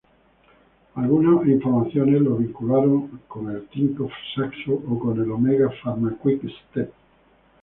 Algunos informaciones lo vincularon con el Tinkoff-Saxo o con el Omega Pharma-Quick Step.